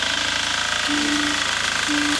Colabora con la sección El viajero del diario El País.